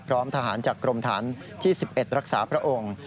พร้อมทหารจากกรมฐานที่๑๑รักษาพระองค์